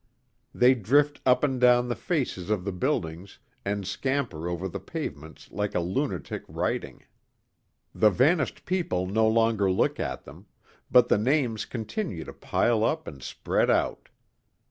They drift up and down the faces of the buildings and scamper over the pavements like a lunatic writing. The vanished people no longer look at them. But the names continue to pile up and spread out.